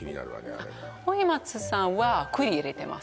あれ老松さんは栗入れてます